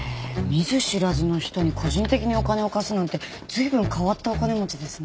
見ず知らずの人に個人的にお金を貸すなんて随分変わったお金持ちですね。